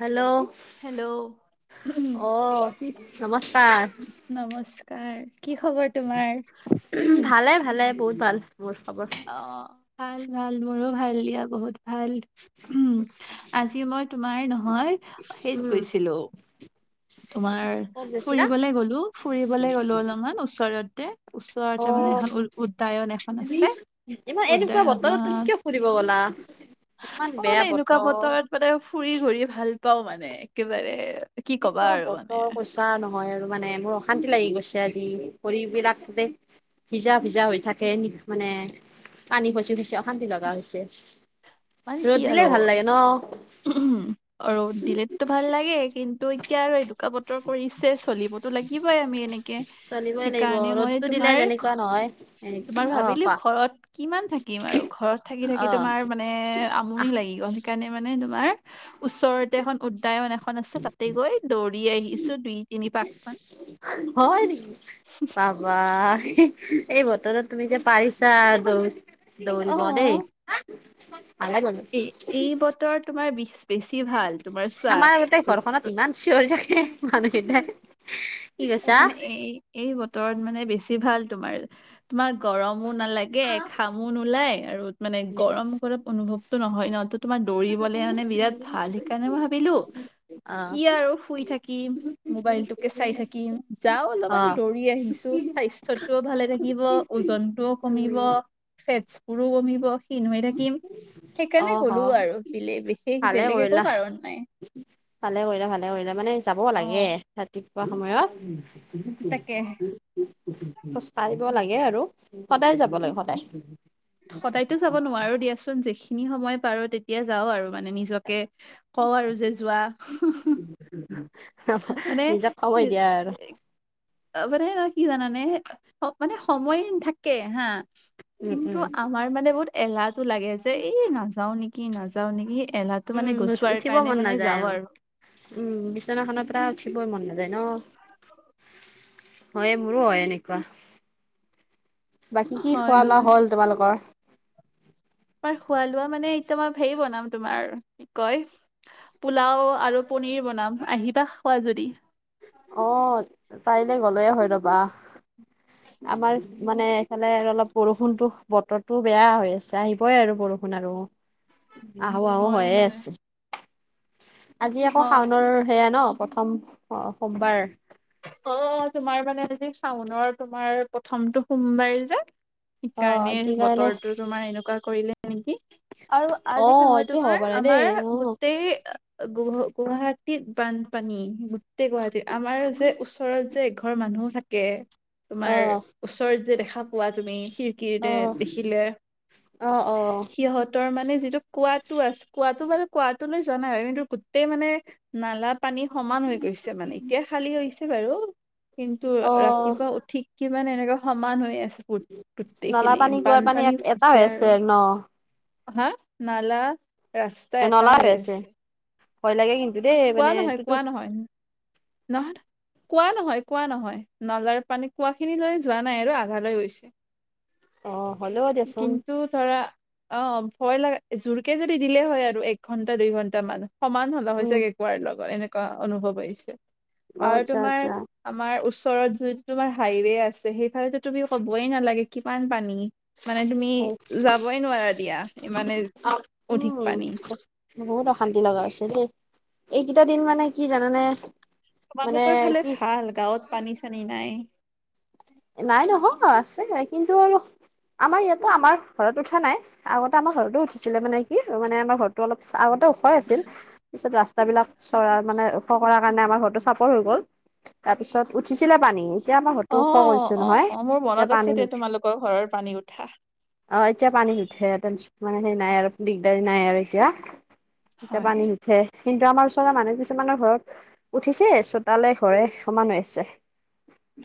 Hello, hello অ'। নমস্কাৰ। নমস্কাৰ। কি খবৰ তোমাৰ? ভালে, ভালে বহুত ভাল মোৰ খবৰ। অ' ভাল, ভাল মোৰো ভাল দিয়া বহুত ভাল উম, আজি মই তোমাৰ নহয়, সেইত উম গৈছিলোঁ। তোমাৰ ক'ত গৈছিলা ফুৰিবলৈ গ'লোঁ, ফুৰিবলৈ গলোঁ। অলপমান ওচৰতে। অ ওচৰতে মানে এখন উ উদ্যায়ন এখন আছে। ইমান এনেকুৱা উদ্যায়ন বতৰত তুমি কিয় এখনত ফুৰিব গ'লা? ইমান অ' বেয়া মানে এনেকুৱা বতৰ বতৰত মানে ফুৰি ঘূৰি ভাল পাও মানে একেবাৰে। কি কবা এনেকুৱা আৰু মানে। বতৰ কৈছা নহয় আৰু মানে মোৰ অশান্তি লাগি গৈছে আজি। ভৰি বিলাক খুবেই ভিজা ভিজা হৈ থাকে এনে মানে। পানী খচি খচি অশান্তি লগা হৈছে। মানে কি ৰ'দ দিলে আৰু ভাল লাগে ন উম, আৰু দিলেটো ভাল লাগে কিন্তু এতিয়া আৰু এইটো বতৰ কৰিছে চলিবতো লাগিবই আমি এনেকে। চলিবই লাগিব সেইকাৰণে মই ৰ'দটো দিলে তোমাৰ যেনেকুৱা নহয় তোমাৰ অ ভাবিলোঁ, কোৱা ঘৰত কিমান থাকিম আৰু ঘৰত থাকি-থাকি অ তোমাৰ মান মে আহ আমনি লাগি গ'ল, সেইকাৰণে মানে তোমাৰ ওচৰতে এখন উদ দায়ন, এখন আছে, তাতে গৈ দৌৰি আহিছোঁ দুই তিনিপাক মান। হয় নেকি? বা এই বতৰত তুমি যে পাৰিছা, দৌ অ দৌৰিব দেই। [unintelligible] এই এই বতৰ তোমাৰ বেছি ভাল। তোমাৰ আমাৰ গোটেই চোৱা ঘৰখনত ইমান চিঞৰি থাকে মানুহ কেইটাই। এ মানে এই-এই বতৰত মানে বেছি ভাল তোমাৰ তোমাৰ গৰমো নালাগে। গে ঘামো নোলাই আৰু মানে গৰম গৰম অনুভৱটো নহয় ন। তোমাৰ দৌৰিবলে মানে বিৰাট ভাল, সেইকাৰণে মই ভাবিলো অ কি আৰু শুই থাকিম মোবাইলটোকে চাই থাকিম যাও অ অলপমান দৌৰোঁ। আহিছো স্বাস্থ্যতটোও ভালে থাকিব, ওজনটোও কমিব। উম ফেটচ বোৰোঁ কমিব ক্ষীণ হৈ থাকিম। অ সেইকাৰণে হ গ'লো আৰু বিলে বিশেষ ভালে বেলেগ একো কৰিলা কাৰণ নাই। ভালে কৰিলা ভালে কৰিলা মানে যাব অ লাগে। ৰাতিপুৱা সময়ত, তাকে খোজ কাঢ়িব লাগে আৰু সদায় যাব লাগে সদায়। সদায়তো যাব নোৱাৰো দিয়াচোন যিখিনি সময় পাৰো তেতিয়া যাও আৰু মানে নিজকে কওঁ আৰু যে যোৱা। মানে নিজক সময় কি- দিয়া আৰু। মানে না কি জানানে মানে সময় থাকে হা। উম কিন্তু উম আমাৰ মানে বহুত এলাহটো লাগে যে এই নাযাও নেকি? কি নাযাও নেকি এলাহটো মানে উম গুছোৱাৰ উঠিব কাৰণে মন মানে নাযায় যাওঁ আৰু। উম, বিচনাখনৰ পৰা উঠিবই মন নাযায় ন। হয়ে মোৰোঁ হয় এনেকুৱা। বাকী কি হয় খোৱা লোৱা হয় হ'ল তোমালোকৰ? তোমাৰ খোৱা লোৱা মানে একদম আৰ হেৰি বনাম তোমাৰ কি কয়? পোলাও আৰু পনীৰ বনাম আহিবা খাৱা যদি? অ, কাইলে গ'লোৱে হয় ৰবা। [inaudible] আমাৰ মানে এইফালে আৰু অলপ বৰষুণতো বতৰটো বেয়া হৈ আছে, আহিবই আৰু বৰষুণ আৰু। আহো-আহো হয় হৈয়ে হয় আছে। আজি আকৌ হয় শাওনৰ সেয়া ন প্ৰথম সোমবাৰ। অ, তোমাৰ মানে আজি শাওনৰ তোমাৰ প্ৰথমটো সোমবাৰে যে অ' সেইকাৰণে এইটো কাৰণে বতৰটো তোমাৰ এনেকুৱা কৰিলে নেকি? আৰু আজি অ' নহয় এইটো হ'ব তোমাৰ পাৰে দেই আমাৰ অ'। গোটেই গুৱাহাটীত বানপানী গোটেই গুৱাহাটীত আমাৰ যে ওচৰত যে এঘৰ মানুহ থাকে তোমাৰ অ' ওচৰত যে দেখা পোৱা তুমি সি কি অ' দেখিলে অ' অ' সিহঁত ৰ মানে যিটো কোৱাাতটো আছে কোৱাতটো মানে কোৱাাতটো লৈ যোৱা নাই আৰু কিন্তু গোটেই মানে নালা পানী সমান হৈ গৈছে মানে এতিয়া খালী হৈছে। বাৰু কিন্তু অ' ৰাতিপুৱা উঠি কিমান এনেকা সমান হৈ আছে নলা গোটেইখিনি পানী কুঁৱাৰ পানী বানপানী এটা হৈ উঠিছে আছে আৰু ন হা নালা ৰাস্তা এটা হৈ আছে ভয় লাগে কিন্তু দেই কোৱা মানে নহয় এইটোতো কোৱা নহয় নহয় কোৱা নহয় কোৱা নহয় নলাৰ পানী কোৱা খিনি লৈ যোৱা নাই আৰু আধা লৈ গৈছে অ' হ'লেও দিয়াচোন কিন্তু ধৰা অ ভয় লগা জোৰকে যদি দিলে হয় আৰু এক ঘন্টা দুই ঘন্টা মান সমান হ'ল হৈ উম চাগে কোৱাৰ লগত এনেকুৱা অনুভৱ আহিছে অ' আৰু আচ্ছা তোমাৰ আচ্ছা। আমাৰ ওচৰত যোনটো তোমাৰ হাইৱে আছে সেইফালেটো তুমি ক'বই নালাগে কিমান পানী মানে তুমি যাবই নোৱাৰা দিয়া ইমানে অধিক উম পানী বহুত অশান্তি লগা হৈছে দেই এইকেইটা দিন মানে কি জানানে মানে তোমালোকৰ ফালে কি ভাল গাঁৱত পানী চানী নাই নাই নহয় আছে কিন্তু আৰু আমাৰ ইয়াতে আমাৰ ঘৰত উঠা নাই আগতে আমাৰ ঘৰতো উঠিছিলে মানে কি মানে আমাৰ ঘৰত তো অলপ আগতে উখই আছিল তাৰপিছত ৰাস্তাবিলাক চৰা মানে ওখ কৰাৰ কাৰণে আমাৰ ঘৰৰতটো চাপৰ হৈ গ'ল তাৰপিছত উঠিছিলে পানী এতিয়া আমাৰ ঘৰতো অ অ অ অ মোৰ মনত আছে দে তোমালোকৰ ঘৰৰ পানী উঠা অ এতিয়া পানী ন উঠে মানে সেই নাই আৰু দিগদাৰী নাই আৰু এতিয়া এতিয়া হয় পানী সে কিন্তু আমাৰ ওচৰৰ মানুহ কিছুমানৰ ঘৰত উঠিছে চোতালে ঘৰে সমান হৈ আছে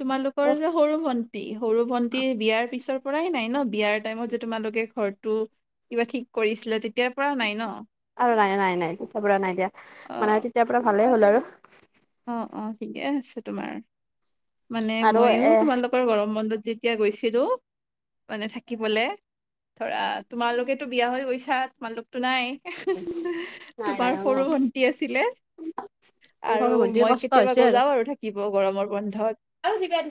তোমালোকৰ যে সৰু ভন্টি সৰু ভন্টি বিয়াৰ পিছৰ পৰাই নাই ন বিয়াৰ টাইমত যে তোমালোকে ঘৰটো কিবা ঠিক কৰিছিলা তেতিয়াৰ পৰা নাই ন আৰু নাই নাই নাই তেতিয়াৰ পৰা নাই দিয়া অ মানে তেতিয়াৰ পৰা ভালেই হ'ল আৰু অ অ ঠিকে আছে তোমাৰ মানে আৰু মইয়ো এ তোমালালোক গৰম বন্ধত যেতিয়া গৈছিলো মানে থাকিবলে ধৰা তোমালোকেতো বিয়া হৈ গৈছা তোমালোক নাই নাই নাই তোমাৰ অ সৰু ভন্টি আছিলে আৰু মোৰ ভণ্টিৰ মই কষ্ট হৈছে কেতিয়াবা জাও আৰু থাকিব গৰমৰ বন্ধত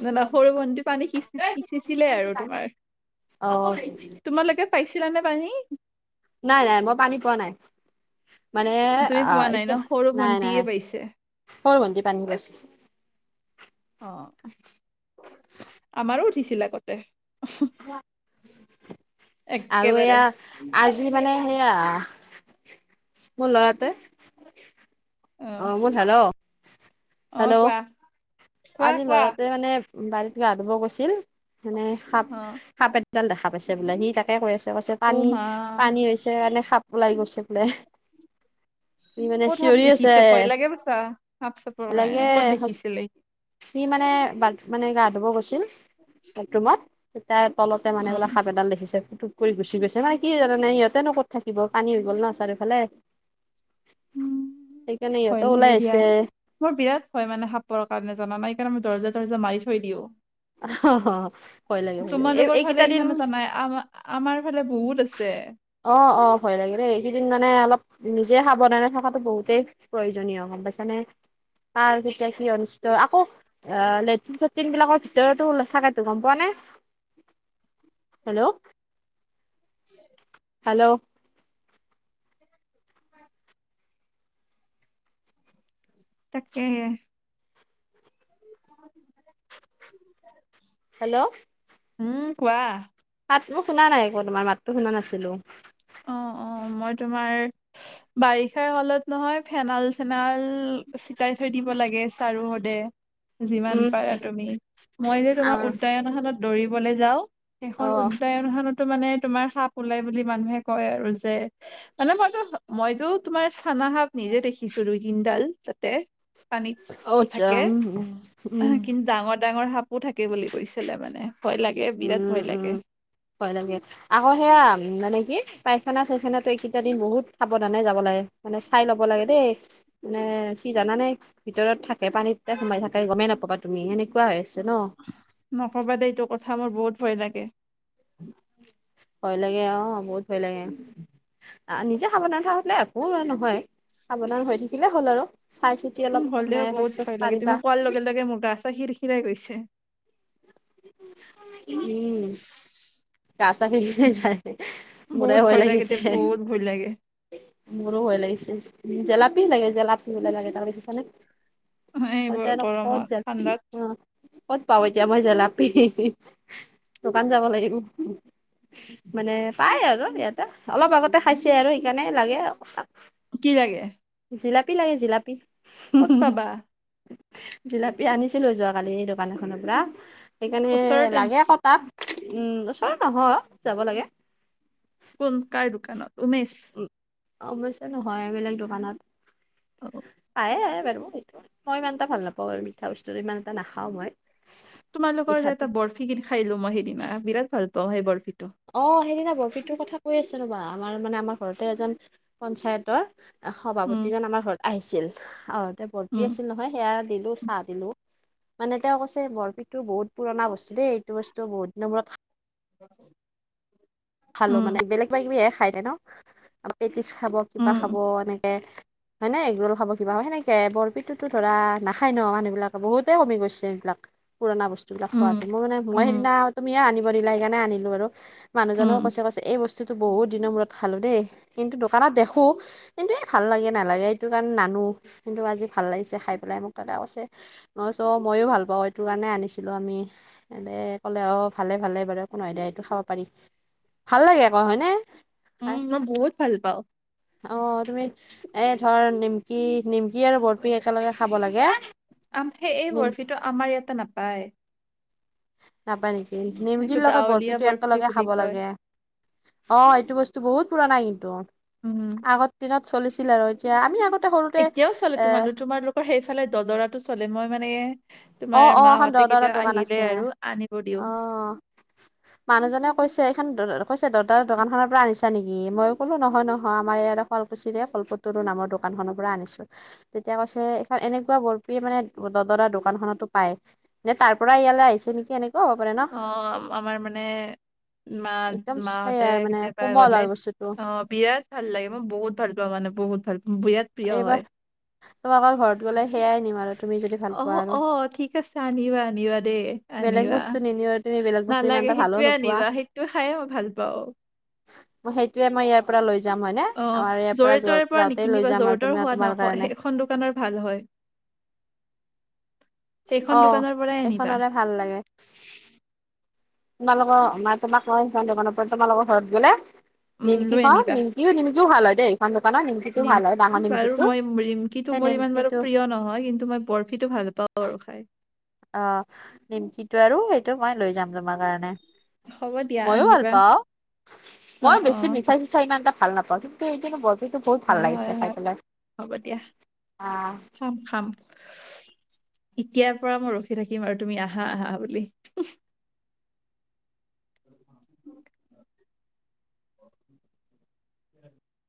না না সৰু ভটি পানী সিঁচি সিঁচিছিলে আৰু তোমাৰ অ তোমালোকে পাইছিলানে পানী নাই নাই মই পানী পোৱা নাই মানে তুমি আহ পোৱা নাই ন এতিয়া সৰু নাই ভন্টিয়ে নাই পাইছে সৰ ভণ্টি পানী পাইছে অ আমাৰো উঠিছিল আগতে ফু আৰু এয়া আজি মানে সেয়া মোৰ ল'ৰাটোৱে অ মোৰ ভাল অ অ কোৱা কোৱা আজি কোৱা ল'ৰাটোৱে মানে বাৰীত গা ধুব গৈছিল মানে সাপ অ সাপে এডাল দেখা পাইছে বোলে সি তাকে কৈ আছে কৈছে অ পানী মা পানী হৈছে কাৰণে সাপ ওলাই গৈছে বোলে ই মানে ক'ত সাপ চিঞৰি আছে দেখিছে ভয় লাগে পাইছা সাপ চাপৰ কাৰণে লাগে ক'ত স দেখিছিলে সি মানে ব মানে গা ধুব গৈছিল বথৰুমত তাৰ তলতে মানে উম বোলে সাপ এডাল দেখিছে টো কৰি গুচি গৈছে মানে কি জানানে? ইহতে ন ক'ত থাকিব পানী হৈ গল ন চাৰিওফালে উম, সেইকাৰণে ভয় সিহঁতে ওলাই লাগে দিয়া। আহিছে মোৰ বিৰাট ভয় মানে সাপৰ কাৰণে জানা নাই সেইকাৰণে মই দৰ্জা তৰ্জা মাৰি থৈ দিও। ভয় লাগে ভয় লাগে এই তোমালোকৰ ফালে এইকেইটা দিন ইমান এটা নাই, আম আমাৰ ফালে বহুত আছে। অ অ ভয় লাগিলেই এইকেইদিন মানে অলপ নিজে সাবধানে থকাতো বহুতেই প্ৰয়োজনীয় গম পাইছানে? কাৰ কেতিয়া কি অনিষ্ট আকৌ আ লেট্ৰিন- চেট্ৰিনবিলাকত ত তুল চাদাটো গম পোৱা নে হেল্ল'? হেল্ল'? তাকে। হেল্ল'? মাতটো শুনা নাই আকৌ তোমাৰ মাতটো শুনা নাছিলো? অ অ, মই তোমাৰ ইচ বাৰিষা হলত নহয় ফেনাল - চেনাল ইল চিটাই থৈ দিব লাগে চাৰো সদে। যিমান উম পাৰা তুমি, মই যে তোমাৰ আৰু উদ্যায়নখনত দৌৰিবলৈ যাওঁ। সেইখন অ', উদ্যায়নখনতো মানে তোমাৰ সাপ ওলাই বুলি মানুহে কয় আৰু যে মানে মইতো - মইতো তোমাৰ চানাসাপ নিজে দেখিছো দুই - তিনডাল তাতে। পানীত অটছ থাকে আহ উম, কিন্তু ডাঙৰ - ডাঙৰ সাপ পো থাকে বুলি কৈছিলে মানে ভয় লাগে, বিৰাট ভয় লাগে। ক লাগে। আকৌ সেয়া মানে কি পাইখানা - চাইখানাতে এইকেইটা দিন বহুত সাৱধানে যাব লাগে। মানে চাই ল'ব লাগে দেই মানে কি জানানে ভিতৰত থাক কে পানীততে সোমাই থাকে গমেই নাপাবা তুমি সেনেকুৱা হৈ আছে ন। নকবা দেই এইটো কথা মোৰ বহুত ভয় লাগে। ভয় লাগে অ, বহুত ভয় লাগে। আহ নিজে সাৱধান থলে একো নহয়, সাৱধান হৈ থাকিলে হ'ল আৰু চাই চি উম হ'লেও বহুত ভয় লাগে, তুমি কোৱাৰ লগে - লগে মোৰ গাছৰ শিৰ শিৰাই গৈছে। উম। কা চাকে যায়, মোৰে বহুত ভয় লাগে দে লাগিছে। বহুত ভয় লাগে মোৰো ভয় লাগিছে, জে জেলাপী লাগে জেলাপী হলে লাগে তাৰ দেখিচানে। এইবোৰ অজানক পত গৰমত যে ঠাণ্ডাত অ। ক'ত পাওঁ এতিয়া মই জেলাপি? দোকান যাব লাগিব। মানে পাই আৰু ইয়াতে অলপ আগতে খাইছে আৰু সেইকাৰণে লাগে [inaudible] কি লাগে? জিলাপী লাগে জিলাপী ক'ত হুহুহু। পাবা জিলাপী আনিছিলোঁ যোৱাকালি দোকান এখনৰ পৰা সেইকাৰণে ওচৰতে লাগে নেকি ক তাত। উম ওচৰত নহয়, যাব লাগে। কোন কাই দুকানত উমিশ। ওম, সমস্যা নহয় এইবিলাক দোকানত। অ এ বাৰু মই সেইটো মই ইমান এটা ভাল নাপাওঁ আৰু মিঠা বস্তুটো ইমান এটা নাখাও মই। তোমালোকৰ যে মিঠাটো এটা বৰফি কিনি খাইলো মই সেইদিনা বিৰাট ভাল পাওঁ সেই বৰফিটো। অ সেইদিনা বৰফিটোৰ কথা কৈ আছে নো বা আমাৰ মানে আমাৰ ঘৰতে এজন পঞ্চায়তৰ এ উম সভাপতিজন আমাৰ ঘৰত আহিছিল আৰুতে বৰপি উম আছিল নহয় সেয়া দিলো চি হা দিলো মানে তেওঁ কৈছে বৰপিটো বহুত পুৰণা বস্তু দেই এইটো বস্তু বহুত দিনৰ মূৰত খা [inaudible] খালো মানে বেলেগ কিবা কিবি খাই ন পেটিছ খাব কিবা খাব উম এনেকে হয়নে এগ ৰোল খাব, কিবা সেনেকে বৰফিটোতো ধৰা নাখাই ন মানুহ বিলাকে বহুতেই কমি গৈছে এইবিলাক। পুৰনা বস্তুিলাক উম খোৱাটো মই মানে মই উম সেইদিনা তুমিয়ে আনিব দিলা সেইকাৰণে আনিলো আৰু মানুহজনক উম এই বস্তুটো বহুত দিনৰ মূৰত খালোঁ দেই কিন্তু দোকানত দেখোঁ কিন্তু এই ভাল লাগে নালাগে এইটো কাৰণে নানো কিন্তু, আজি ভাল লাগিছে খাই পেলাই মোক কৈছে। মই কৈছো মইয়ো ভাল পাওঁ এইটো কাৰণে আনিছিলো আমি। দে কলে অ ভালে ভালে বাৰু একো নহয় দে এইটো খাব পাৰি। ভাল লাগে আকৌ হয়নে? উম মই বহুত ভাল পাওঁ অঁ তুমি এ ধৰ নিমকি নিমকি আৰু বৰফি একেলগে খাব লাগে আম সেই এই নিম বৰফিটো আমাৰ ইয়াতে নাপায়। নাপায় নেকি? এইটো নিমকিৰ লগত গাঁৱলীয়া বৰফিটো বৰফি একেলগে বুলি খাব কয় লাগে। অঁ এইটো বস্তু বহুত পুৰনা কিন্তু, উম আগৰ দিনত চলিছিল আৰু। এয়া আমি আগতে সৰুতে এতিয়াও চলে এ তোমালোক তোমালোকৰ সেইফালে দদৰাটো চলে মই মানে তোমাৰ অ', অ', এখন মাহঁতে দৰদৰা কেতিয়াবা দোকান আহিলে আছে আৰু আনিব দিওঁ। অ'। মানুহজনে কৈছে এইখন কৈছে দদৰাৰ দোকান খনৰ পৰা আনিছা নেকি? মই ক'লো নহয় নহয় আমাৰ ইয়াৰে। শুৱালকুচিৰে ফলপটৰু নামৰ দোকানখনৰ পৰা আনিছোঁ। তেতিয়া কৈছে এইখন এনেকুৱা বৰফিয়ে মানে দদৰাৰ দোকানখনতো পায়। নে তাৰ পৰা ইয়ালৈ আহিছে নেকি এনেকুৱা হ'ব পাৰে ন? অঁ, আমাৰ মানে মাঁ একদম মাহঁতে সেয়া মানে কেতিয়াবা কোমল গ'লে আৰু বস্তুটো অ বিৰাট ভাল লাগে মই বহুত ভাল পাওঁ মানে বহুত ভাল পাওঁ বিৰাট প্ৰিয় হয় এইবাৰ তোমালোকৰ ঘৰত গ'লে সেয়াই নিম আৰু। তুমি যদি ভাল অহ পোৱা আৰু অঁ ঠিক আছে আনিবা আনিবা দেই। বেলেগ আনিবা। বস্তু নিনিও আৰু তুমি বেলেগ বস্তু ইমান নালাগে এটা ভালো সেইটোৱে নোপোৱা আনিবা সেইটো খাইয়ে মই ভাল পাওঁ। মই সেই টোৱে মই ইয়াৰ পৰা লৈ যাম হয়নে, অ আমাৰ ইয়াৰ য'ৰে পৰা য ত'ৰে যাওঁতেই নিকিনিবা লৈ যাম য'ৰে আৰু ত'ৰে সোৱাদ নাই তোমাৰ অক- কাৰণে। সেইখন দোকানৰ ভাল হয়। অ সেইখন দোকানৰ পৰাই আনিবা। এইখনৰে ভাল লাগে। তোমালোকৰ মানে তোমাক মই সেইখন দোকানৰ পৰা তোমালোকৰ ঘৰত গ'লে উম নিমকি লৈ পাওঁ আনিবা নিম কিও নিমকিও ভাল হয় দেই। পান দোকানৰ নিমকি নিমকি খন বাৰু মই নিমকিটো সেই মোৰ ইমান বাৰু নিমকিটো প্ৰিয় নহয় কিন্তু, মই বৰ ফিতো ভাল পাওঁ আৰু খাই। অঁ নিমকিটো আৰু সেইটো মই লৈ যাম তোমাৰ কাৰণে। হ'ব দিয়া মইও ভাল আনিবা পাওঁ, অ মই অ বেছি মিথাই চি ঠাই ইমান এটা ভাল নাপাওঁ এই কিন্তু বৰফি টো বহুত ভাল হয় লাগিছে হয় খাই হয় পেলাই। হ'ব দিয়া আহ। খাম খাম। এতিয়াৰ পৰা মই ৰখি থাকিম আৰু তুমি আহা আহা বুলি। [inaudible] অ [inaudible]